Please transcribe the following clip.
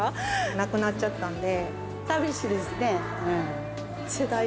亡くなっちゃったんで。